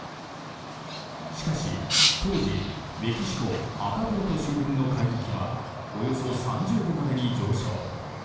しかし当時、メキシコアカプルコ周辺の海域はおよそ３０度までに上昇。